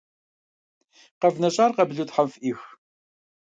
КъэвнэщӀар къабылу тхьэм фӀих.